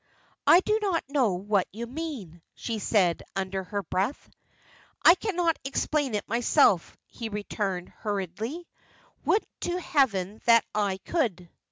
"I do not know what you mean," she said, under her breath. "I cannot explain myself," he returned, hurriedly; "would to heaven that I could.